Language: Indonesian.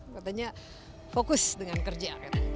katanya fokus dengan kerja